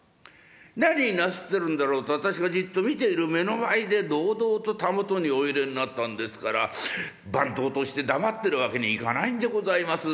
何なすってるんだろうと私がじっと見ている目の前で堂々とたもとにお入れになったんですから番頭として黙ってるわけにいかないんでございます。